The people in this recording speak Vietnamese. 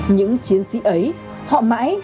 những chiến sĩ ấy họ mãi